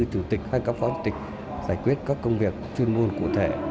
chủ tịch hay các phó tịch giải quyết các công việc chuyên môn cụ thể